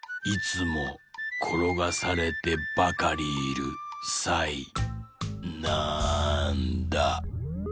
いつもころがされてばかりいるサイ？